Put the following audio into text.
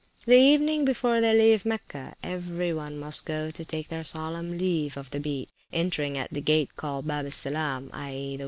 The evening before they leave Mecca, every one must go to take their solemn leave of the Beat, entering at the gate called Babe el Salem, i.e.